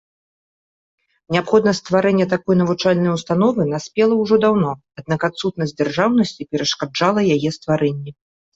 Неабходнасць стварэння такой навучальнай установы наспела ўжо даўно, аднак адсутнасць дзяржаўнасці перашкаджала яе стварэнні.